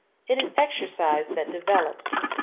It is exercise that develops.